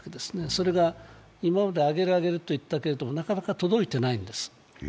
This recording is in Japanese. それが今まで、あげられると言ったけれどもなかなか届いてないんです。